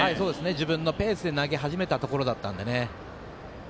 自分のペースで投げ始めたところだったんでね。